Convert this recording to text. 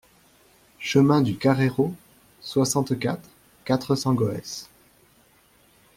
Chemin du Carrérot, soixante-quatre, quatre cents Goès